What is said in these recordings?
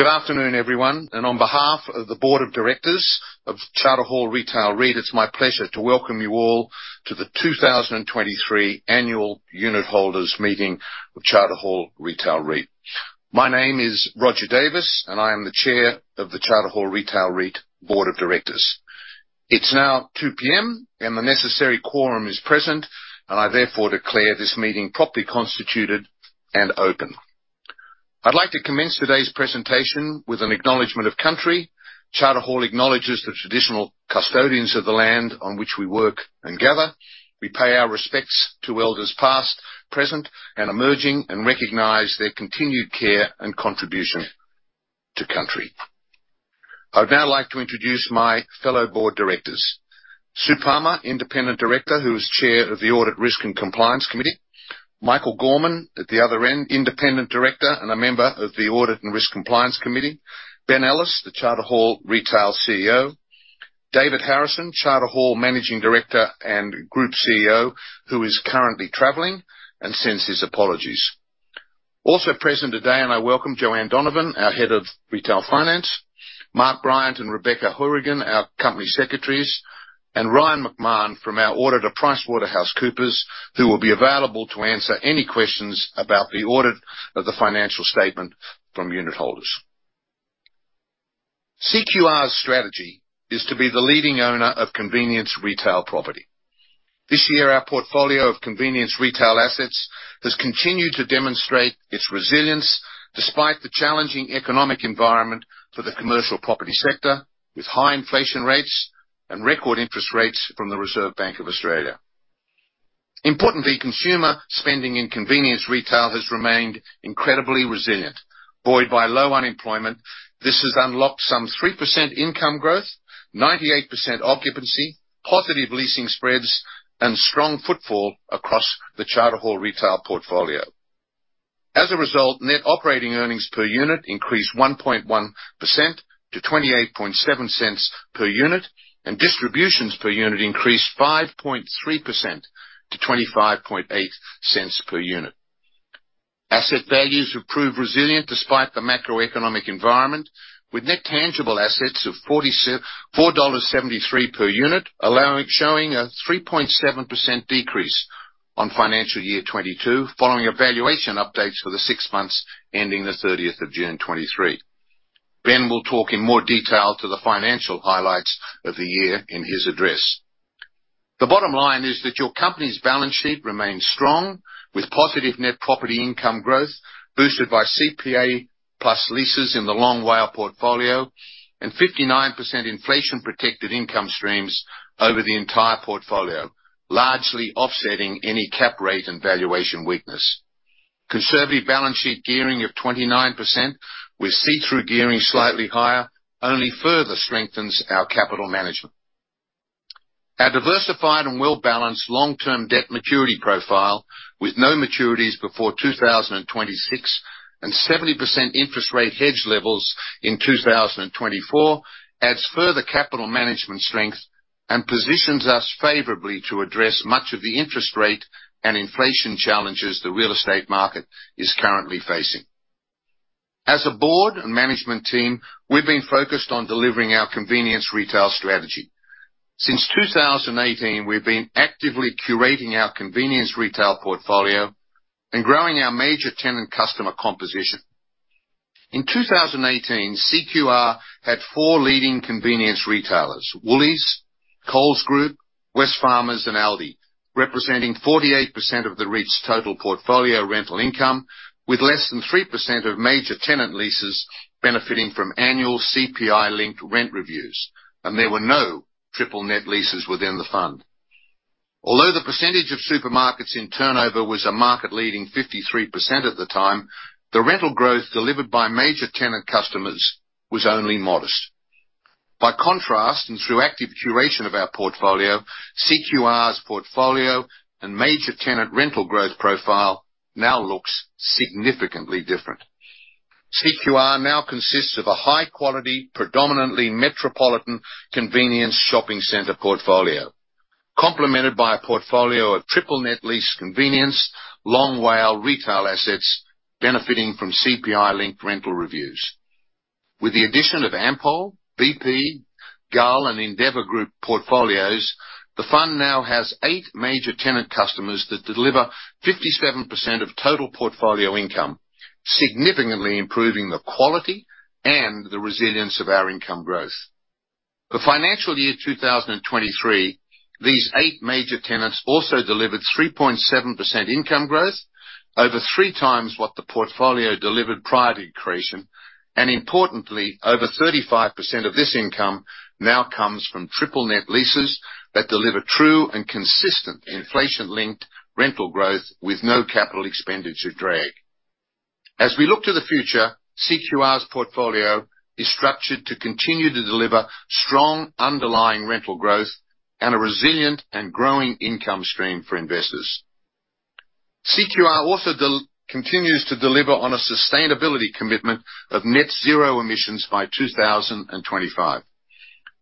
Good afternoon, everyone, and on behalf of the Board of Directors of Charter Hall Retail REIT, it's my pleasure to welcome you all to the 2023 Annual Unitholders Meeting of Charter Hall Retail REIT. My name is Roger Davis, and I am the chair of the Charter Hall Retail REIT Board of Directors. It's now 2:00 P.M., and the necessary quorum is present, and I therefore declare this meeting properly constituted and open. I'd like to commence today's presentation with an acknowledgement of country. Charter Hall acknowledges the traditional custodians of the land on which we work and gather. We pay our respects to elders past, present, and emerging, and recognize their continued care and contribution to country. I would now like to introduce my fellow Board Directors. Sue Palmer, Independent Directors, who is Chair of the Audit, Risk, and Compliance Committee. Michael Gorman, at the other end, Independent Directors and a member of the Audit and Risk Compliance Committee. Ben Ellis, the Charter Hall Retail CEO. David Harrison, Charter Hall Managing Director and Group CEO, who is currently traveling and sends his apologies. Also present today, and I welcome Joanne Donovan, our Head of Retail Finance, Mark Bryant and Rebecca Hourigan, our Company Secretaries, and Ryan McMahon from our Auditor, PricewaterhouseCoopers, who will be available to answer any questions about the audit of the financial statement from Unitholders. CQR's strategy is to be the leading owner of convenience retail property. This year, our portfolio of convenience retail assets has continued to demonstrate its resilience despite the challenging economic environment for the commercial property sector, with high inflation rates and record interest rates from the Reserve Bank of Australia. Importantly, consumer spending in convenience retail has remained incredibly resilient. Buoyed by low unemployment, this has unlocked some 3% income growth, 98% occupancy, positive leasing spreads, and strong footfall across the Charter Hall Retail portfolio. As a result, net operating earnings per unit increased 1.1% to 0.287 per unit, and distributions per unit increased 5.3% to 0.258 per unit. Asset values have proved resilient despite the macroeconomic environment, with net tangible assets of 47.47 dollars per unit, showing a 3.7% decrease on financial year 2022, following evaluation updates for the six months ending the thirtieth of June 2023. Ben will talk in more detail to the financial highlights of the year in his address. The bottom line is that your company's balance sheet remains strong, with positive Net Property Income growth boosted by CPI plus leases in the long WALE portfolio and 59% inflation-protected income streams over the entire portfolio, largely offsetting any cap rate and valuation weakness. Conservative balance sheet gearing of 29%, with see-through gearing slightly higher, only further strengthens our capital management. Our diversified and well-balanced long-term debt maturity profile, with no maturities before 2026 and 70% interest rate hedge levels in 2024, adds further capital management strength and positions us favorably to address much of the interest rate and inflation challenges the real estate market is currently facing. As a Board and Management Team, we've been focused on delivering our convenience retail strategy. Since 2018, we've been actively curating our convenience retail portfolio and growing our major tenant customer composition. In 2018, CQR had four leading convenience retailers: Woolies, Coles Group, Wesfarmers, and ALDI, representing 48% of the REIT's total portfolio rental income, with less than 3% of major tenant leases benefiting from annual CPI-linked rent reviews. There were no triple net leases within the fund. Although the percentage of supermarkets in turnover was a market-leading 53% at the time, the rental growth delivered by major tenant customers was only modest. By contrast, and through active curation of our portfolio, CQR's portfolio and major tenant rental growth profile now looks significantly different. CQR now consists of a high-quality, predominantly metropolitan convenience shopping center portfolio, complemented by a portfolio of triple net lease convenience long WALE retail assets benefiting from CPI-linked rental reviews. With the addition of AMPOL, BP, Gull, and Endeavour Group portfolios, the fund now has eight major tenant customers that deliver 57% of total portfolio income, significantly improving the quality and the resilience of our income growth. For financial year 2023, these eight major tenants also delivered 3.7% income growth, over three times what the portfolio delivered prior to accretion, and importantly, over 35% of this income now comes from triple net leases that deliver true and consistent inflation-linked rental growth with no capital expenditure drag. As we look to the future, CQR's portfolio is structured to continue to deliver strong underlying rental growth and a resilient and growing income stream for investors. CQR also continues to deliver on a sustainability commitment of net zero emissions by 2025.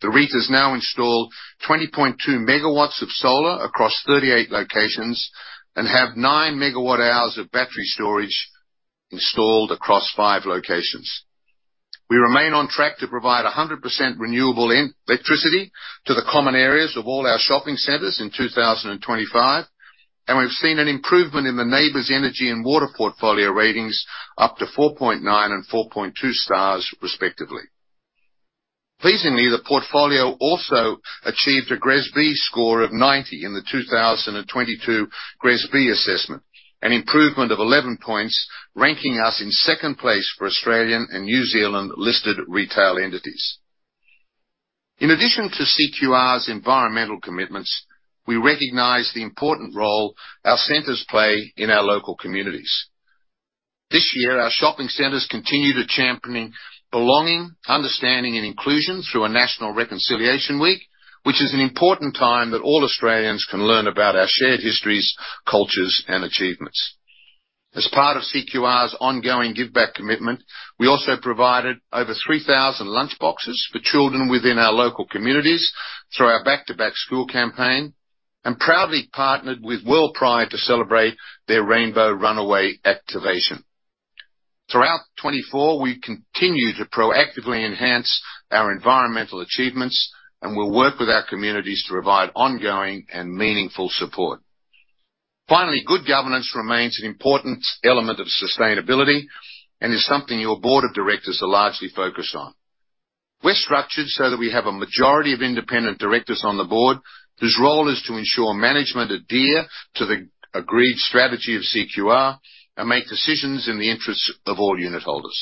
The REIT has now installed 20.2 MW of solar across 38 locations and have 9 MWh of battery storage installed across five locations. We remain on track to provide 100% renewable electricity to the common areas of all our shopping centers in 2025, and we've seen an improvement in the NABERS Energy and Water portfolio ratings up to 4.9 and 4.2 stars respectively. Pleasingly, the portfolio also achieved a GRESB score of 90 in the 2022 GRESB assessment, an improvement of 11 points, ranking us in second place for Australian and New Zealand-listed retail entities. In addition to CQR's environmental commitments, we recognize the important role our centers play in our local communities. This year, our shopping centers continue to championing belonging, understanding, and inclusion through a National Reconciliation Week, which is an important time that all Australians can learn about our shared histories, cultures, and achievements. As part of CQR's ongoing give back commitment, we also provided over 3,000 lunchboxes for children within our local communities through our Back-to-back school campaign, and proudly partnered with WorldPride to celebrate their Rainbow Runway activation. Throughout 2024, we continue to proactively enhance our environmental achievements, and we'll work with our communities to provide ongoing and meaningful support. Finally, good governance remains an important element of sustainability and is something your Board of Directors are largely focused on. We're structured so that we have a majority of Independent Directors on the Board, whose role is to ensure management adhere to the agreed strategy of CQR and make decisions in the interests of all Unitholders.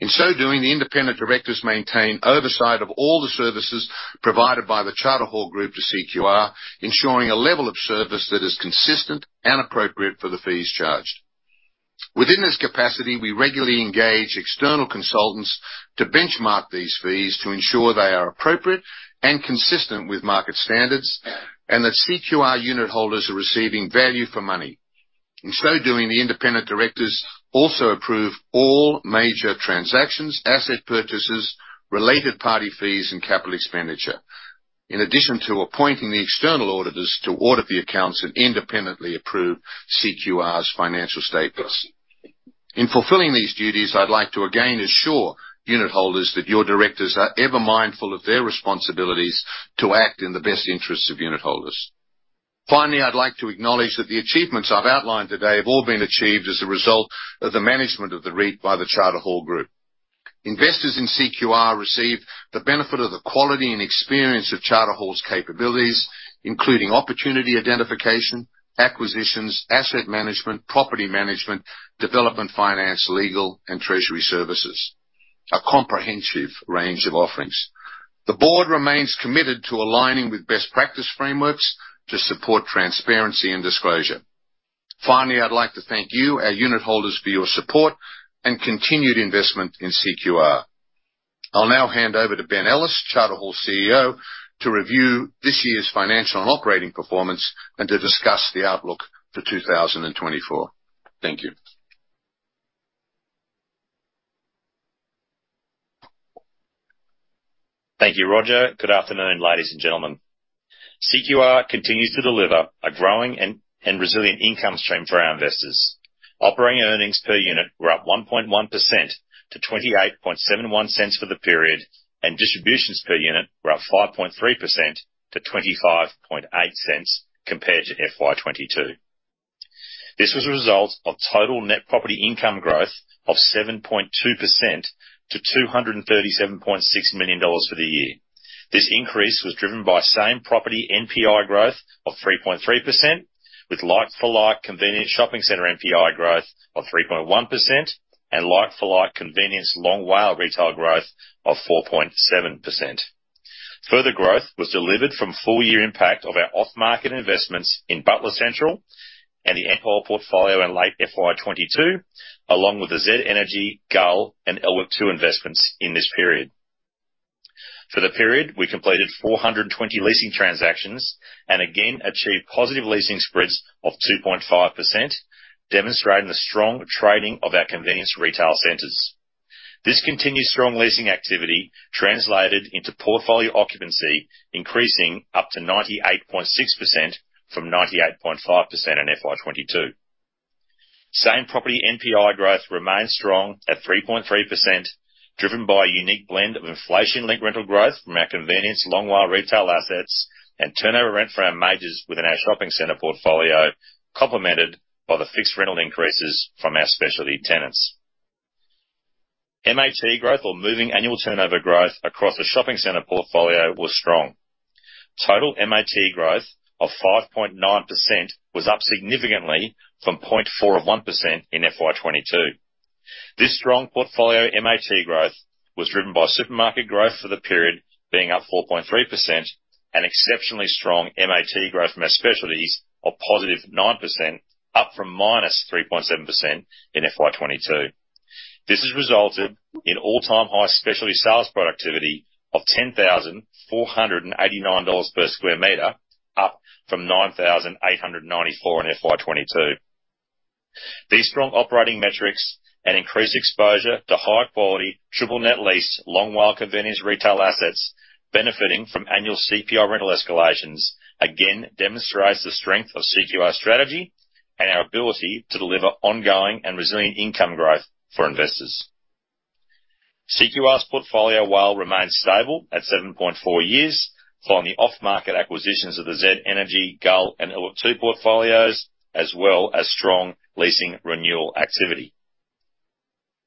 In so doing, the Independent Directors maintain oversight of all the services provided by the Charter Hall Group to CQR, ensuring a level of service that is consistent and appropriate for the fees charged. Within this capacity, we regularly engage external consultants to benchmark these fees to ensure they are appropriate and consistent with market standards, and that CQR Unitholders are receiving value for money. In so doing, the Independent Directors also approve all major transactions, asset purchases, related party fees, and capital expenditure. In addition to appointing the external auditors to audit the accounts and independently approve CQR's financial statements. In fulfilling these duties, I'd like to again assure Unitholders that your Directors are ever mindful of their responsibilities to act in the best interests of Unitholders. Finally, I'd like to acknowledge that the achievements I've outlined today have all been achieved as a result of the management of the REIT by the Charter Hall Group. Investors in CQR receive the benefit of the quality and experience of Charter Hall's capabilities, including opportunity identification, acquisitions, asset management, property management, development, finance, legal, and treasury services, a comprehensive range of offerings. The Board remains committed to aligning with best practice frameworks to support transparency and disclosure. Finally, I'd like to thank you, our Unitholders, for your support and continued investment in CQR. I'll now hand over to Ben Ellis, Charter Hall CEO, to review this year's financial and operating performance and to discuss the outlook for 2024. Thank you. Thank you, Roger. Good afternoon, ladies and gentlemen. CQR continues to deliver a growing and resilient income stream for our investors. Operating earnings per unit were up 1.1% to 0.2871 for the period, and distributions per unit were up 5.3% to 0.258 compared to FY 2022. This was a result of total net property income growth of 7.2% to 237.6 million dollars for the year. This increase was driven by same property NPI growth of 3.3%, with like-for-like convenience shopping center NPI growth of 3.1% and like-for-like convenience long WALE retail growth of 4.7%. Further growth was delivered from full-year impact of our off-market investments in Butler Central and the Empire portfolio in late FY 2022, along with the Z Energy, Gull, and LW2 investments in this period. For the period, we completed 420 leasing transactions and again achieved positive leasing spreads of 2.5%, demonstrating the strong trading of our convenience retail centers. This continued strong leasing activity translated into portfolio occupancy, increasing up to 98.6% from 98.5% in FY 2022. Same property NPI growth remains strong at 3.3%, driven by a unique blend of inflation-linked rental growth from our convenience long WALE retail assets and turnover rent from our majors within our shopping center portfolio, complemented by the fixed rental increases from our specialty tenants. MAT growth, or moving annual turnover growth, across the shopping center portfolio was strong. Total MAT growth of 5.9% was up significantly from 0.41% in FY 2022. This strong portfolio MAT growth was driven by supermarket growth for the period, being up 4.3%, and exceptionally strong MAT growth from our specialties of +9%, up from -3.7% in FY 2022. This has resulted in all-time high specialty sales productivity of AUD 10,489 per square meter, up from AUD 9,894 in FY 2022. These strong operating metrics and increased exposure to high-quality, triple net lease, long WALE convenience retail assets benefiting from annual CPI rental escalations, again demonstrates the strength of CQR strategy and our ability to deliver ongoing and resilient income growth for investors. CQR's portfolio WALE remains stable at 7.4 years, following the off-market acquisitions of the Z Energy, Gull, and LW2 portfolios, as well as strong leasing renewal activity.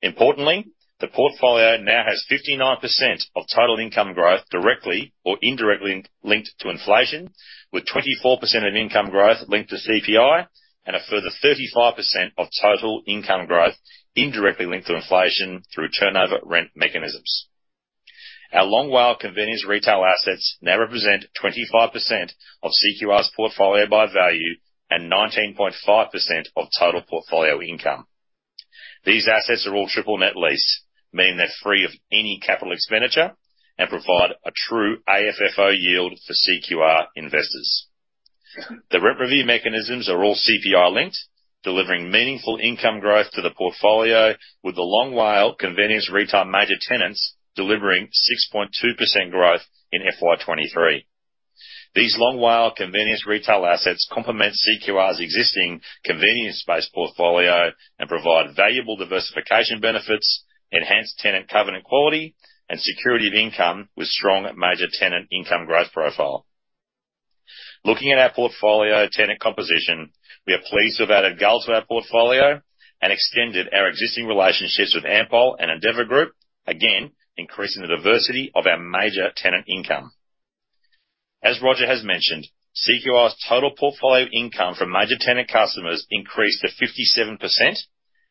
Importantly, the portfolio now has 59% of total income growth directly or indirectly linked to inflation, with 24% of income growth linked to CPI and a further 35% of total income growth indirectly linked to inflation through turnover rent mechanisms. Our long WALE convenience retail assets now represent 25% of CQR's portfolio by value and 19.5% of total portfolio income. These assets are all triple net lease, meaning they're free of any capital expenditure and provide a true AFFO yield for CQR investors. The rent review mechanisms are all CPI-linked, delivering meaningful income growth to the portfolio, with the long WALE convenience retail major tenants delivering 6.2% growth in FY 2023. These long WALE convenience retail assets complement CQR's existing convenience-based portfolio and provide valuable diversification benefits, enhanced tenant covenant quality, and security of income, with strong major tenant income growth profile. Looking at our portfolio tenant composition, we are pleased to have added Gull to our portfolio and extended our existing relationships with AMPOL and Endeavour Group, again, increasing the diversity of our major tenant income. As Roger has mentioned, CQR's total portfolio income from major tenant customers increased to 57%,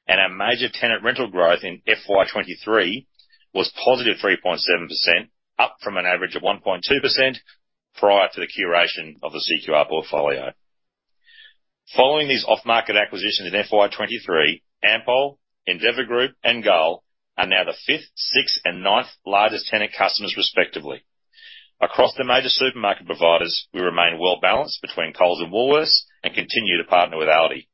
and our major tenant rental growth in FY 2023 was positive 3.7%, up from an average of 1.2% prior to the curation of the CQR portfolio. Following these off-market acquisitions in FY 2023, AMPOL, Endeavour Group, and Gull are now the 5th, 6th, and 9th largest tenant customers, respectively. Across the major supermarket providers, we remain well-balanced between Coles and Woolworths and continue to partner with ALDI.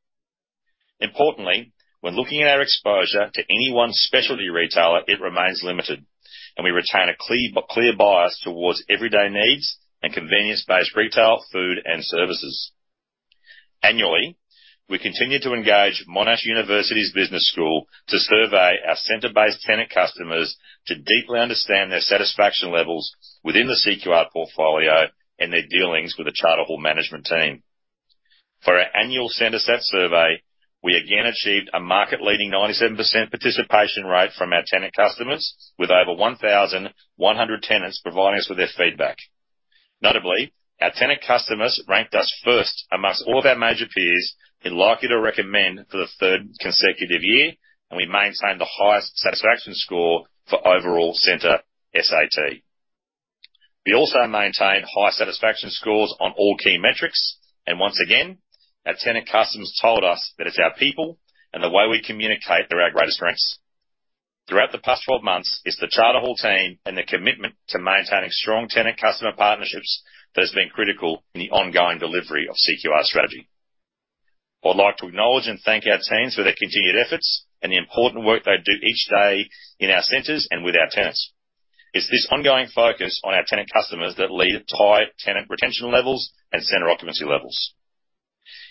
Importantly, when looking at our exposure to any one specialty retailer, it remains limited, and we retain a clear, clear bias towards everyday needs and convenience-based retail, food, and services. Annually, we continue to engage Monash University's Business School to survey our center-based tenant customers to deeply understand their satisfaction levels within the CQR portfolio and their dealings with the Charter Hall management team. For our Annual CentreSAT survey, we again achieved a market-leading 97% participation rate from our tenant customers, with over 1,100 tenants providing us with their feedback. Notably, our tenant customers ranked us first amongst all of our major peers in likely to recommend for the third consecutive year, and we maintained the highest satisfaction score for overall CentreSAT. We also maintained high satisfaction scores on all key metrics, and once again, our tenant customers told us that it's our people and the way we communicate that are our greatest strengths. Throughout the past 12 months, it's the Charter Hall team and their commitment to maintaining strong tenant customer partnerships that has been critical in the ongoing delivery of CQR's strategy. I'd like to acknowledge and thank our teams for their continued efforts and the important work they do each day in our centers and with our tenants. It's this ongoing focus on our tenant customers that lead to high tenant retention levels and center occupancy levels.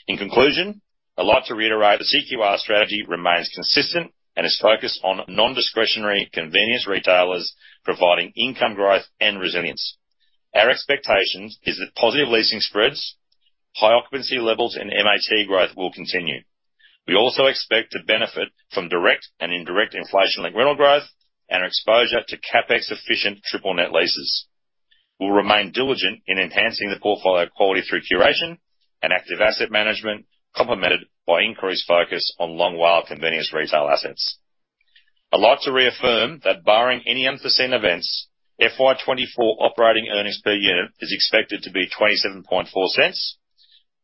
In conclusion, I'd like to reiterate the CQR strategy remains consistent and is focused on non-discretionary convenience retailers, providing income growth and resilience. Our expectations is that positive leasing spreads, high occupancy levels, and MAT growth will continue. We also expect to benefit from direct and indirect inflation-linked rental growth and our exposure to CapEx-efficient triple net leases. We'll remain diligent in enhancing the portfolio quality through curation and active asset management, complemented by increased focus on long WALE convenience retail assets. I'd like to reaffirm that barring any unforeseen events, FY 2024 operating earnings per unit is expected to be 0.274.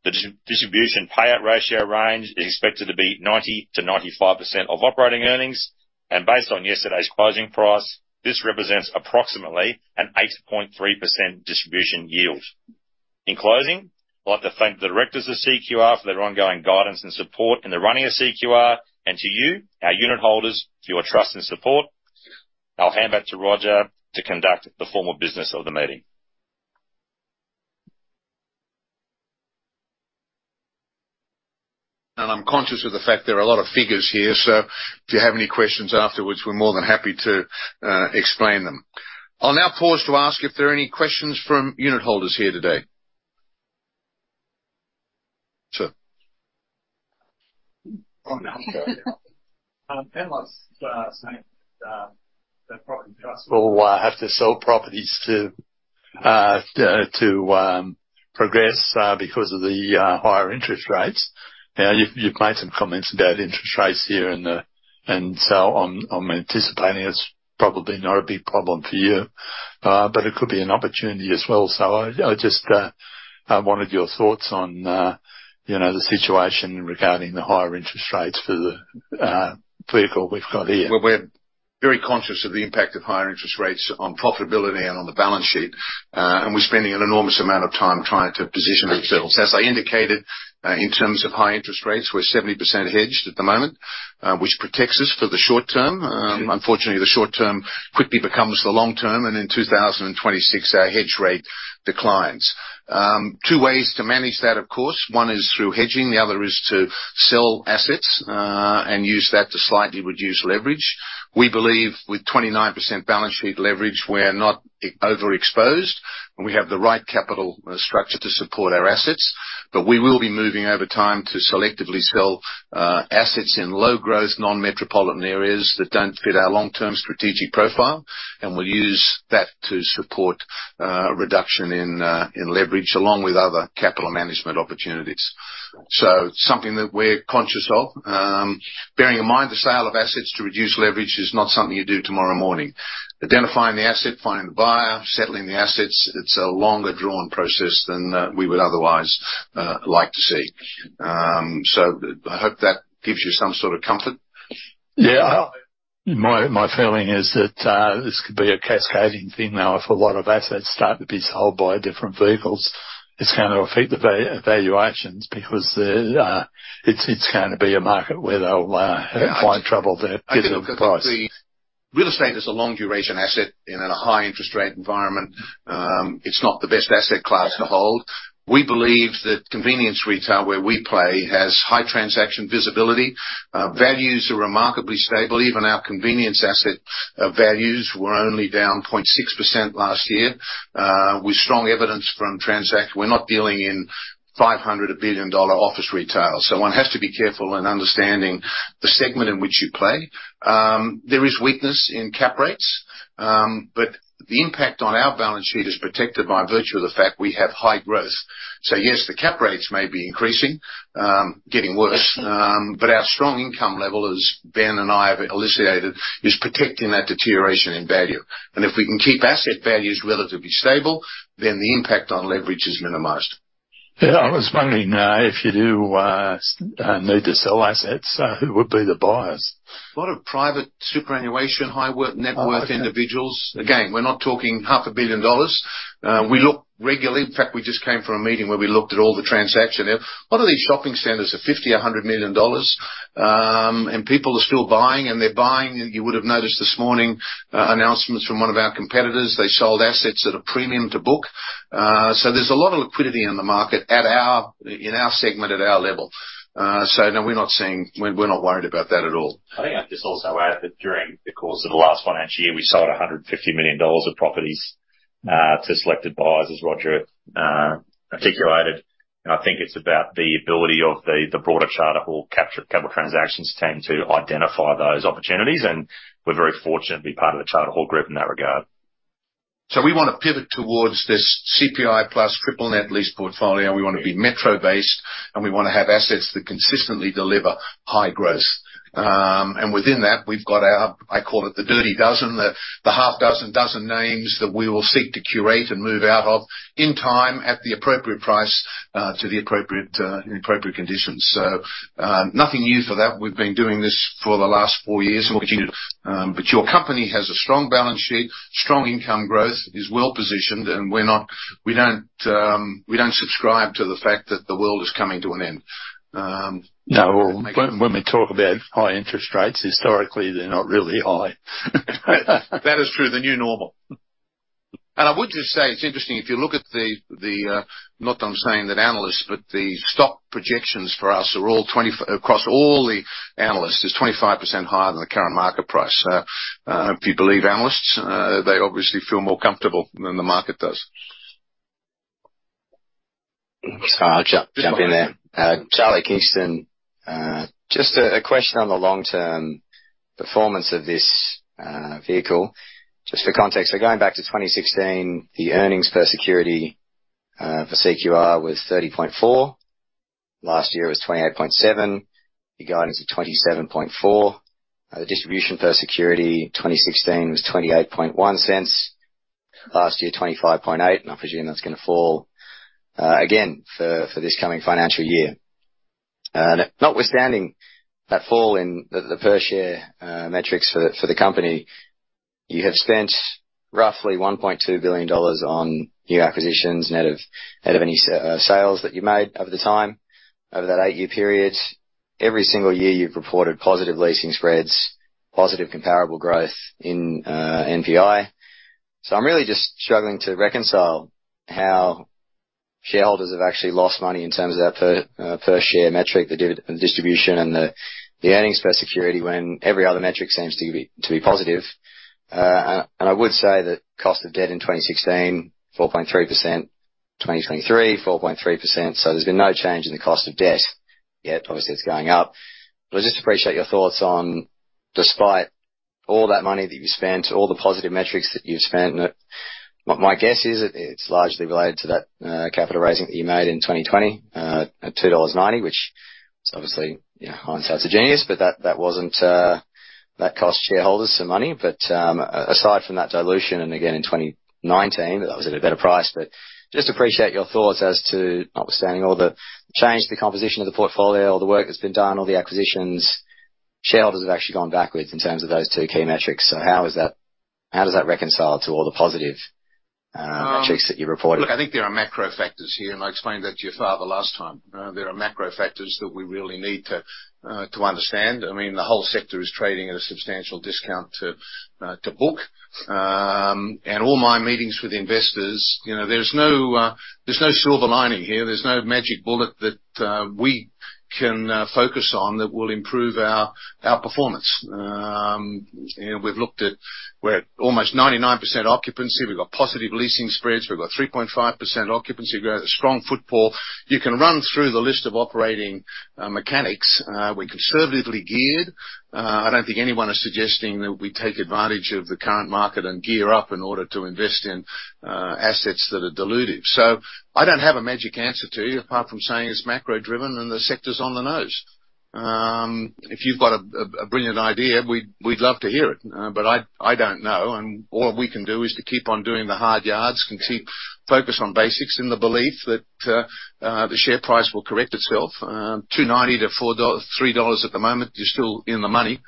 The distribution payout ratio range is expected to be 90%-95% of operating earnings, and based on yesterday's closing price, this represents approximately an 8.3% distribution yield. In closing, I'd like to thank the Directors of CQR for their ongoing guidance and support in the running of CQR, and to you, our Unitholders, for your trust and support. I'll hand back to Roger to conduct the formal business of the meeting. I'm conscious of the fact there are a lot of figures here, so if you have any questions afterwards, we're more than happy to explain them. I'll now pause to ask if there are any questions from Unitholders here today. Sir? Oh, now, panelists are saying that property trust will have to sell properties to progress because of the higher interest rates. Now, you've made some comments about interest rates here and there, and so I'm anticipating it's probably not a big problem for you, but it could be an opportunity as well. So I just wanted your thoughts on, you know, the situation regarding the higher interest rates for the vehicle we've got here. Very conscious of the impact of higher interest rates on profitability and on the balance sheet, and we're spending an enormous amount of time trying to position ourselves. As I indicated, in terms of high interest rates, we're 70% hedged at the moment, which protects us for the short term. Unfortunately, the short term quickly becomes the long term, and in 2026, our hedge rate declines. Two ways to manage that, of course. One is through hedging, the other is to sell assets, and use that to slightly reduce leverage. We believe with 29% balance sheet leverage, we're not overexposed, and we have the right capital structure to support our assets. But we will be moving over time to selectively sell assets in low growth, non-metropolitan areas that don't fit our long-term strategic profile. We'll use that to support a reduction in leverage, along with other capital management opportunities. So it's something that we're conscious of. Bearing in mind, the sale of assets to reduce leverage is not something you do tomorrow morning. Identifying the asset, finding the buyer, settling the assets, it's a longer drawn process than we would otherwise like to see. So I hope that gives you some sort of comfort. Yeah. My feeling is that this could be a cascading thing now. If a lot of assets start to be sold by different vehicles, it's gonna affect the valuations, because the... It's gonna be a market where they'll have quite trouble to get a price. Real estate is a long duration asset in a high interest rate environment. It's not the best asset class to hold. We believe that convenience retail, where we play, has high transaction visibility. Values are remarkably stable. Even our convenience asset values were only down 0.6% last year, with strong evidence from transaction. We're not dealing in 500 or billion-dollar office retail, so one has to be careful in understanding the segment in which you play. There is weakness in cap rates, but the impact on our balance sheet is protected by virtue of the fact we have high growth. So yes, the cap rates may be increasing, getting worse, but our strong income level, as Ben and I have elucidated, is protecting that deterioration in value. If we can keep asset values relatively stable, then the impact on leverage is minimized. Yeah, I was wondering if you do need to sell assets, who would be the buyers? A lot of private superannuation, high-net-worth individuals. Again, we're not talking 500 million dollars. We look regularly. In fact, we just came from a meeting where we looked at all the transactions. A lot of these shopping centers are 50 million and 100 million dollars, and people are still buying, and they're buying. You would have noticed this morning, announcements from one of our competitors. They sold assets at a premium to book. So there's a lot of liquidity in the market at our, in our segment, at our level. So no, we're not seeing. We're, we're not worried about that at all. I think I'll just also add that during the course of the last financial year, we sold 150 million dollars of properties to selected buyers, as Roger articulated. And I think it's about the ability of the broader Charter Hall capital transactions to identify those opportunities, and we're very fortunate to be part of the Charter Hall Group in that regard. So we want to pivot towards this CPI plus Triple Net Lease portfolio. We want to be metro-based, and we want to have assets that consistently deliver high growth. Within that, we've got our, I call it the dirty dozen, the half dozen, dozen names that we will seek to curate and move out of, in time, at the appropriate price, to the appropriate conditions. Nothing new for that. We've been doing this for the last four years. Which you- But your company has a strong balance sheet, strong income growth, is well-positioned, and we're not, we don't subscribe to the fact that the world is coming to an end. No. When we talk about high interest rates, historically, they're not really high. That is true, the new normal. And I would just say it's interesting, if you look at the, not I'm saying that analysts, but the stock projections for us are all 25% across all the analysts, is 25% higher than the current market price. If you believe analysts, they obviously feel more comfortable than the market does. So I'll jump in there. Charlie Kingston, just a question on the long-term performance of this vehicle. Just for context, going back to 2016, the earnings per security for CQR was 0.304. Last year, it was 0.287. Your guidance is 0.274. The distribution per security, 2016 was 0.281. Last year, 0.258, and I presume that's gonna fall again for this coming financial year. Notwithstanding that fall in the per share metrics for the company, you have spent roughly 1.2 billion dollars on new acquisitions, net of any sales that you made over the time. Over that eight-year period, every single year, you've reported positive leasing spreads, positive comparable growth in NPI. So I'm really just struggling to reconcile how shareholders have actually lost money in terms of that per share metric, the distribution, and the earnings per security, when every other metric seems to be positive. And I would say that cost of debt in 2016, 4.3%. 2023, 4.3%. So there's been no change in the cost of debt, yet obviously it's going up. But I just appreciate your thoughts on, despite all that money that you spent, all the positive metrics that you've spent, and it. My guess is it's largely related to that capital raising that you made in 2020 at 2.90, which is obviously, you know, hindsight's a genius, but that wasn't, that cost shareholders some money. But, aside from that dilution, and again, in 2019, that was at a better price, but just appreciate your thoughts as to notwithstanding all the change, the composition of the portfolio, all the work that's been done, all the acquisitions, shareholders have actually gone backwards in terms of those two key metrics. So how is that—how does that reconcile to all the positive metrics that you reported? Look, I think there are macro factors here, and I explained that to you for the last time. There are macro factors that we really need to understand. I mean, the whole sector is trading at a substantial discount to book. All my meetings with investors, you know, there's no silver lining here. There's no magic bullet that we can focus on that will improve our performance. You know, we've looked at. We're at almost 99% occupancy. We've got positive leasing spreads. We've got 3.5% occupancy growth, strong footfall. You can run through the list of operating mechanics. We're conservatively geared. I don't think anyone is suggesting that we take advantage of the current market and gear up in order to invest in assets that are dilutive. So I don't have a magic answer to you, apart from saying it's macro-driven, and the sector's on the nose. If you've got a brilliant idea, we'd love to hear it. But I don't know, and all we can do is to keep on doing the hard yards, and keep focus on basics in the belief that the share price will correct itself. 2.90-4 dollars, 3 dollars at the moment, you're still in the money,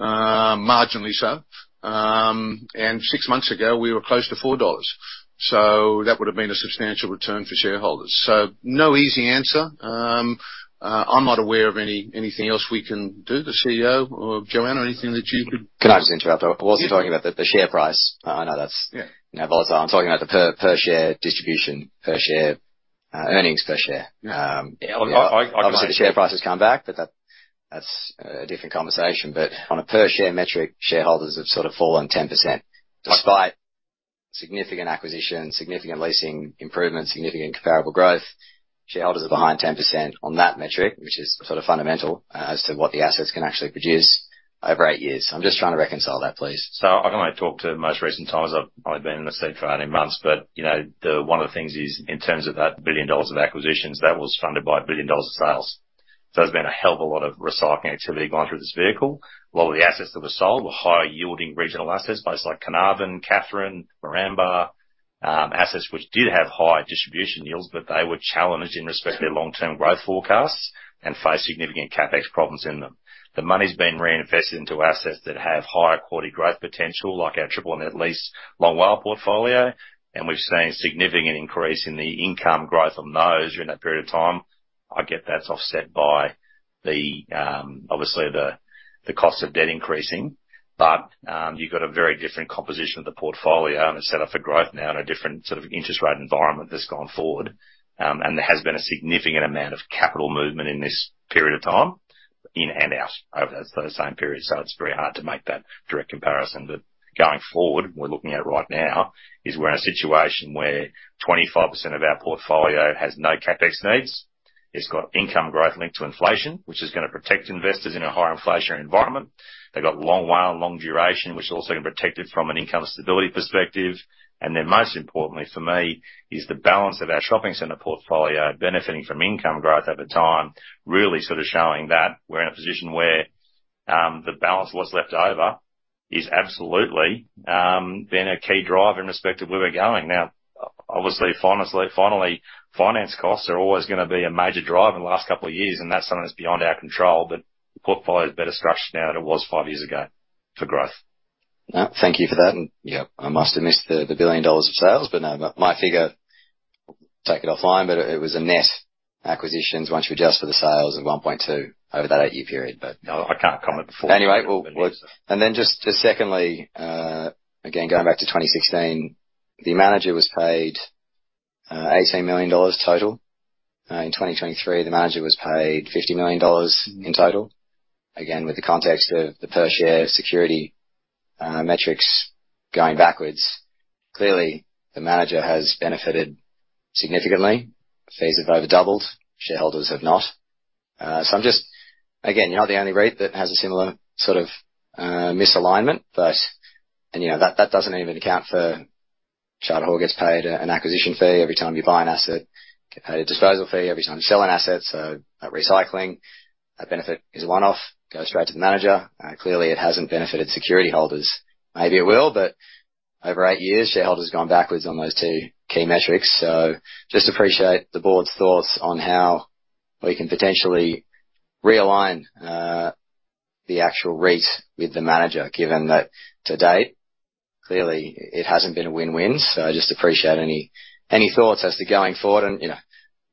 marginally so. And six months ago, we were close to 4 dollars, so that would have been a substantial return for shareholders. So no easy answer. I'm not aware of anything else we can do. The CEO or Joanne, anything that you could- Can I just interrupt, though? Yeah. I wasn't talking about the share price. I know that's- Yeah. now volatile. I'm talking about the per-share distribution, per share, earnings per share. Yeah. Um- I, I, I- Obviously, the share price has come back, but that, that's a different conversation. But on a per-share metric, shareholders have sort of fallen 10%. Despite significant acquisition, significant leasing improvement, significant comparable growth, shareholders are behind 10% on that metric, which is sort of fundamental, as to what the assets can actually produce over eight years. I'm just trying to reconcile that, please. So I can only talk to the most recent times. I've only been in the seat for 18 months, but, you know, the, one of the things is, in terms of that 1 billion dollars of acquisitions, that was funded by a 1 billion dollars of sales. So there's been a hell of a lot of recycling activity going through this vehicle. A lot of the assets that were sold were higher-yielding regional assets, places like Carnarvon, Katherine, Moranbah. Assets which did have high distribution yields, but they were challenged in respect to their long-term growth forecasts and faced significant CapEx problems in them. The money's been reinvested into assets that have higher quality growth potential, like our triple net lease long WALE portfolio, and we've seen a significant increase in the income growth on those during that period of time. I get that's offset by the, obviously, the cost of debt increasing. But, you've got a very different composition of the portfolio, and it's set up for growth now in a different sort of interest rate environment that's gone forward. And there has been a significant amount of capital movement in this period of time, in and out, over those same periods, so it's very hard to make that direct comparison. But going forward, we're looking at right now, is we're in a situation where 25% of our portfolio has no CapEx needs. It's got income growth linked to inflation, which is gonna protect investors in a higher inflationary environment. They've got long WALE and long duration, which also can protect it from an income stability perspective. And then, most importantly for me, is the balance of our shopping center portfolio benefiting from income growth at the time, really sort of showing that we're in a position where, the balance that's left over is absolutely, being a key driver in respect to where we're going. Now, obviously, finally, finally, finance costs are always gonna be a major driver in the last couple of years, and that's something that's beyond our control, but the portfolio is better structured now than it was five years ago for growth. Thank you for that. And, yeah, I must have missed the 1 billion dollars of sales, but no, my figure, take it offline, but it was a net acquisitions, once you adjust for the sales of 1.2 billion over that eight-year period but- No, I can't comment before- Anyway, and then just secondly, again, going back to 2016, the Manager was paid 18 million dollars total. In 2023, the Manager was paid 50 million dollars in total. Again, with the context of the per share security metrics going backwards, clearly, the Manager has benefited significantly. Fees have over doubled; shareholders have not. So I'm just... Again, you're not the only REIT that has a similar sort of misalignment, but and, you know, that doesn't even account for Charter Hall gets paid an acquisition fee every time you buy an asset, get paid a disposal fee every time you sell an asset, so that recycling benefit is a one-off, goes straight to the Manager. Clearly, it hasn't benefited security holders. Maybe it will, but over eight years, shareholders have gone backwards on those two key metrics. So just appreciate the Board's thoughts on how we can potentially realign the actual REIT with the Manager, given that to date, clearly it hasn't been a win-win. So I just appreciate any thoughts as to going forward. And, you know,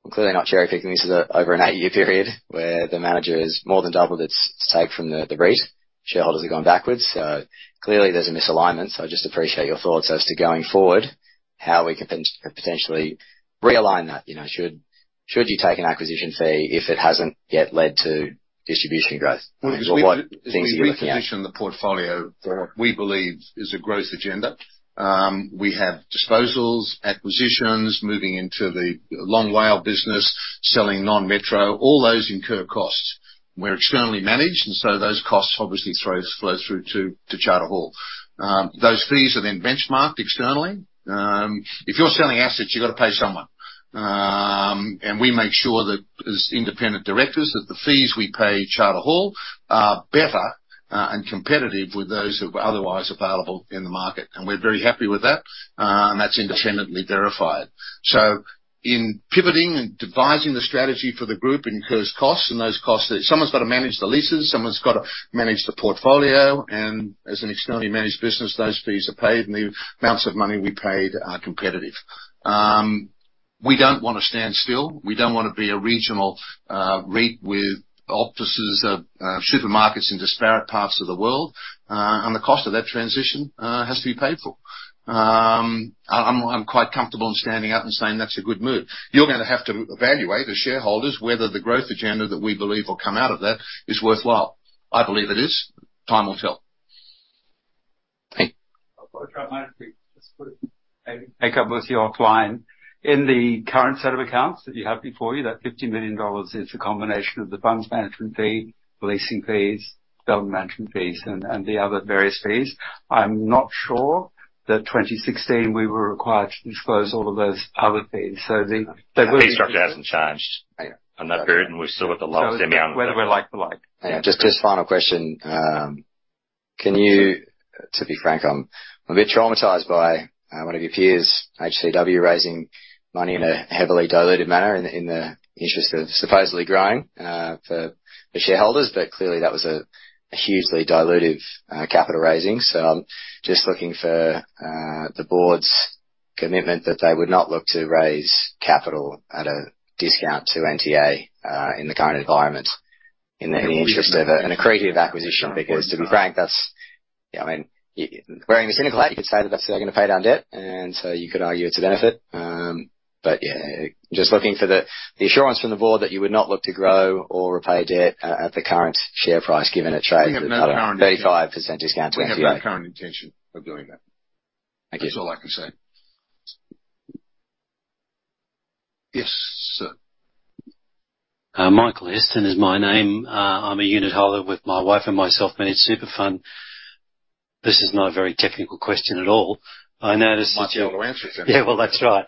I'm clearly not cherry-picking. This is over an eight-year period where the Manager has more than doubled its take from the REIT. Shareholders have gone backwards, so clearly there's a misalignment. So I just appreciate your thoughts as to going forward, how we can potentially realign that. You know, should you take an acquisition fee if it hasn't yet led to distribution growth? Or what things are you looking at? As we reposition the portfolio- Sure. We believe is a growth agenda. We have disposals, acquisitions, moving into the long WALE business, selling non-metro, all those incur costs. We're externally managed, and so those costs obviously flows through to Charter Hall. Those fees are then benchmarked externally. If you're selling assets, you've got to pay someone. And we make sure that as Independent Directors, that the fees we pay Charter Hall are better and competitive with those that were otherwise available in the market, and we're very happy with that, and that's independently verified. So in pivoting and devising the strategy for the group incurs costs, and those costs, someone's got to manage the leases, someone's got to manage the portfolio, and as an externally managed business, those fees are paid, and the amounts of money we paid are competitive. We don't want to stand still. We don't want to be a regional REIT with offices supermarkets in disparate parts of the world. And the cost of that transition has to be paid for. I'm quite comfortable in standing up and saying, "That's a good move." You're gonna have to evaluate, as shareholders, whether the growth agenda that we believe will come out of that is worthwhile. I believe it is. Time will tell. Thank you. I'll try my best to put it, pick up with you offline. In the current set of accounts that you have before you, that 50 million dollars is a combination of the funds management fee, leasing fees, development management fees, and the other various fees. I'm not sure that 2016 we were required to disclose all of those other fees, so the- The fee structure hasn't changed- Yeah. -on that period, and we've still got the lowest amount. Whether we like the like. Just, just final question. Can you... To be frank, I'm, I'm a bit traumatized by one of your peers, HCW, raising money in a heavily diluted manner in, in the interest of supposedly growing for the Shareholders. But clearly, that was a hugely dilutive capital raising. So I'm just looking for the Board's commitment that they would not look to raise capital at a discount to NTA in the current environment, in the interest of an accretive acquisition. Because to be frank, that's, yeah, I mean, wearing a cynical hat, you could say that that's how they're going to pay down debt, and so you could argue it's a benefit. But yeah, just looking for the assurance from the Board that you would not look to grow or repay debt at the current share price, given it trades at about a 35% discount to NTA. We have no current intention of doing that. Thank you. That's all I can say. Yes, sir. Michael Easton is my name. I'm a Unitholder with my wife and myself, managed super fund. This is not a very technical question at all. I noticed that- Much longer answer than. Yeah, well, that's right.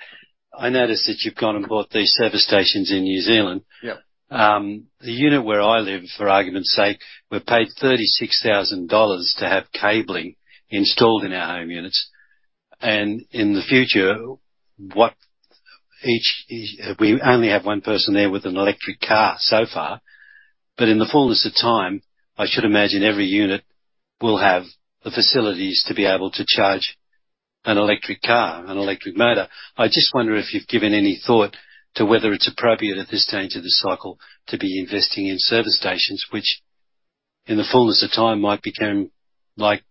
I noticed that you've gone and bought these service stations in New Zealand. Yeah. The unit where I live, for argument's sake, we've paid 36,000 dollars to have cabling installed in our home units. And in the future, we only have one person there with an electric car so far, but in the fullness of time, I should imagine every unit will have the facilities to be able to charge an electric car, an electric motor. I just wonder if you've given any thought to whether it's appropriate at this stage of the cycle to be investing in service stations, which, in the fullness of time, might become like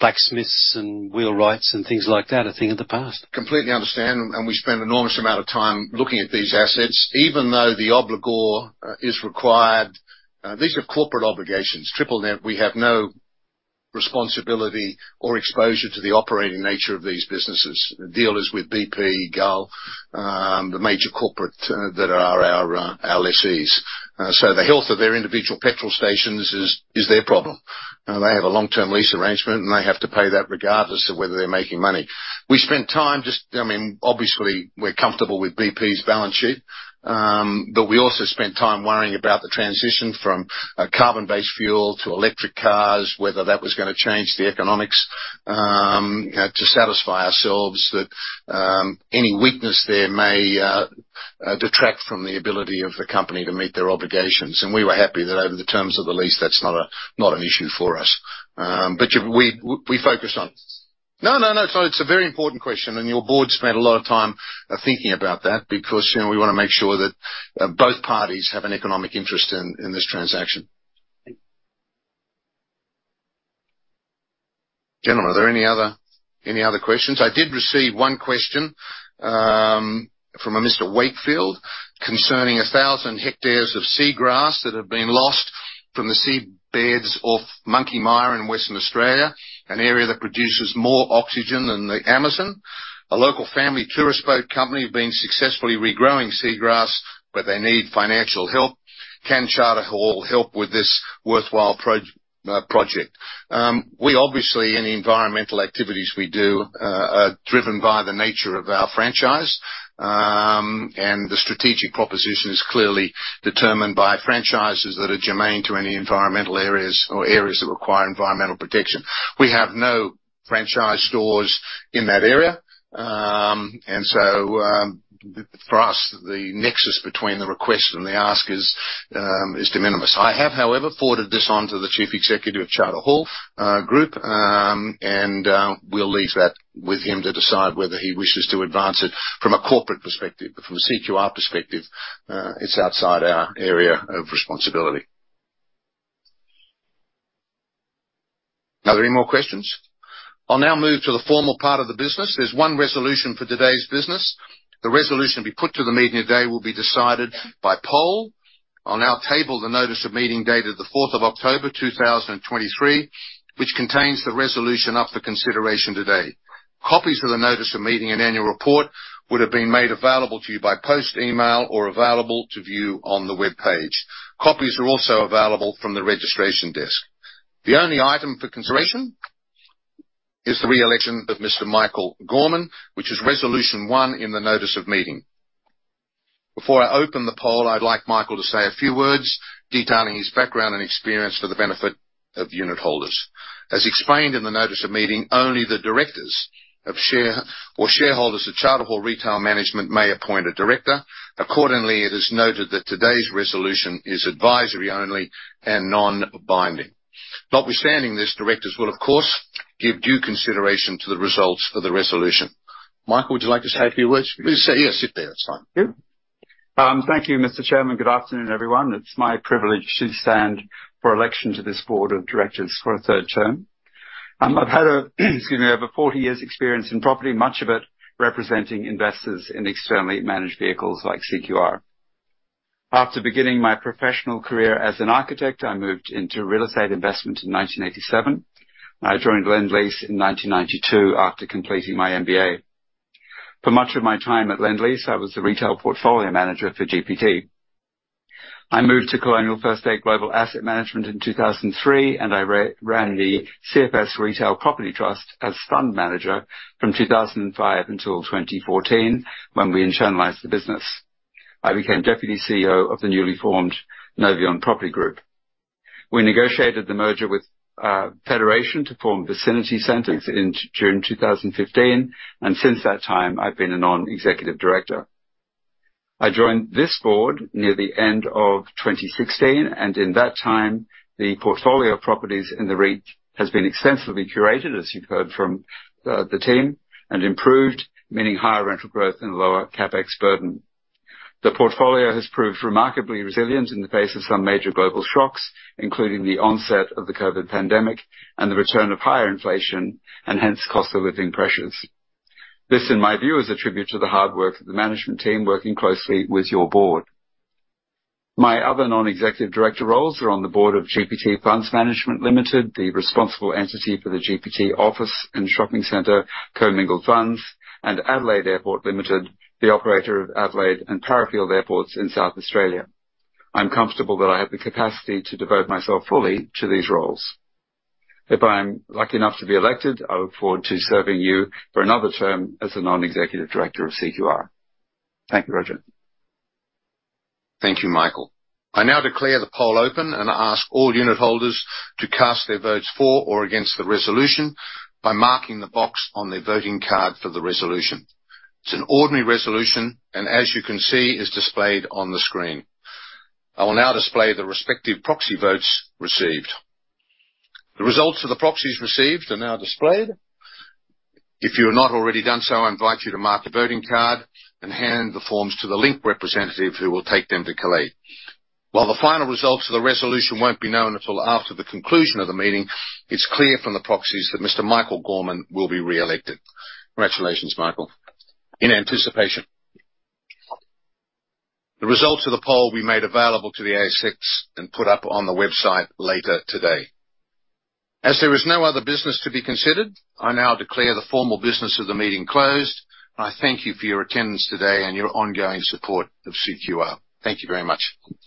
blacksmiths and wheelwrights and things like that, a thing of the past. Completely understand, and we spend an enormous amount of time looking at these assets. Even though the obligor is required, these are corporate obligations. Triple net, we have no responsibility or exposure to the operating nature of these businesses. The deal is with BP, Gull, the major corporate that are our lessees. So the health of their individual petrol stations is their problem. They have a long-term lease arrangement, and they have to pay that regardless of whether they're making money. We spent time I mean, obviously, we're comfortable with BP's balance sheet, but we also spent time worrying about the transition from a carbon-based fuel to electric cars, whether that was gonna change the economics, to satisfy ourselves that any weakness there may detract from the ability of the company to meet their obligations. We were happy that over the terms of the lease, that's not a, not an issue for us. But we focused on... No, no, no, it's a very important question, and your Board spent a lot of time thinking about that because, you know, we want to make sure that both parties have an economic interest in, in this transaction. Thank you. Gentlemen, are there any other, any other questions? I did receive one question from a Mr. Wakefield, concerning 1,000 hectares of seagrass that have been lost from the seabeds off Monkey Mia in Western Australia, an area that produces more oxygen than the Amazon. A local family tourist boat company have been successfully regrowing seagrass, but they need financial help. Can Charter Hall help with this worthwhile project? We obviously, any environmental activities we do are driven by the nature of our franchise. And the strategic proposition is clearly determined by franchises that are germane to any environmental areas or areas that require environmental protection. We have no franchise stores in that area. And so, for us, the nexus between the request and the ask is de minimis. I have, however, forwarded this on to the Chief Executive of Charter Hall Group, and we'll leave that with him to decide whether he wishes to advance it from a corporate perspective. But from a CQR perspective, it's outside our area of responsibility. Are there any more questions? I'll now move to the formal part of the business. There's one resolution for today's business. The resolution to be put to the meeting today will be decided by poll. I'll now table the notice of meeting, dated the 4th of October, 2023, which contains the resolution up for consideration today. Copies of the notice of meeting and annual report would have been made available to you by post, email, or available to view on the webpage. Copies are also available from the registration desk. The only item for consideration is the re-election of Mr. Michael Gorman, which is resolution one in the notice of meeting. Before I open the poll, I'd like Michael to say a few words detailing his background and experience for the benefit of Unitholders. As explained in the notice of meeting, only the Directors or Shareholders of Charter Hall Retail Management may appoint a Director. Accordingly, it is noted that today's resolution is advisory only and non-binding. Notwithstanding this, Directors will, of course, give due consideration to the results of the resolution. Michael, would you like to say a few words? Please sit. Yeah, sit there. It's fine. Thank you. Thank you, Mr. Chairman. Good afternoon, everyone. It's my privilege to stand for election to this Board of Directors for a third term. I've had over 40 years experience in property, much of it representing investors in externally managed vehicles like CQR. After beginning my professional career as an architect, I moved into real estate investment in 1987. I joined Lendlease in 1992 after completing my MBA. For much of my time at Lendlease, I was the retail portfolio Manager for GPT. I moved to Colonial First State Global Asset Management in 2003, and I ran the CFS Retail Property Trust as Fund Manager from 2005 until 2014, when we internalized the business. I became deputy CEO of the newly formed Novion Property Group. We negotiated the merger with Federation to form Vicinity Centres in June 2015, and since that time, I've been a Non-Executive Director. I joined this Board near the end of 2016, and in that time, the portfolio of properties in the REIT has been extensively curated, as you've heard from the team, and improved, meaning higher rental growth and lower CapEx burden. The portfolio has proved remarkably resilient in the face of some major global shocks, including the onset of the COVID pandemic and the return of higher inflation and hence cost of living pressures. This, in my view, is a tribute to the hard work of the management team, working closely with your Board. My other Non-Executive Director roles are on the Board of GPT Funds Management Limited, the responsible entity for the GPT Office and Shopping Centre Commingled Funds, and Adelaide Airport Limited, the operator of Adelaide and Parafield Airports in South Australia. I'm comfortable that I have the capacity to devote myself fully to these roles. If I'm lucky enough to be elected, I look forward to serving you for another term as a Non-Executive Director of CQR. Thank you, Roger. Thank you, Michael. I now declare the poll open, and I ask all Unitholders to cast their votes for or against the resolution by marking the box on their voting card for the resolution. It's an ordinary resolution, and as you can see, is displayed on the screen. I will now display the respective proxy votes received. The results of the proxies received are now displayed. If you have not already done so, I invite you to mark the voting card and hand the forms to the link representative, who will take them to collate. While the final results of the resolution won't be known until after the conclusion of the meeting, it's clear from the proxies that Mr. Michael Gorman will be re-elected. Congratulations, Michael, in anticipation. The results of the poll will be made available to the ASX and put up on the website later today. As there is no other business to be considered, I now declare the formal business of the meeting closed, and I thank you for your attendance today and your ongoing support of CQR. Thank you very much.